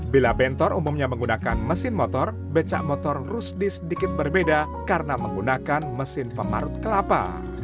bila bentor umumnya menggunakan mesin motor becak motor rusdi sedikit berbeda karena menggunakan mesin pemarut kelapa